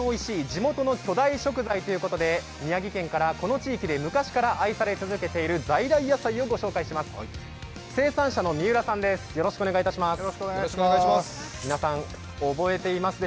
地元の巨大食材」ということで宮城県からこの地域で昔から愛されている在来野菜をご紹介します。